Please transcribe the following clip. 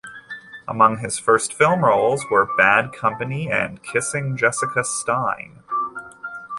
Among his first film roles were "Bad Company" and "Kissing Jessica Stein".